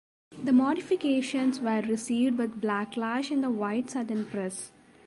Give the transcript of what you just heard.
The modifications were received with backlash in the white Southern press.